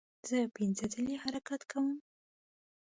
زه پنځه ځلې حرکت کوم.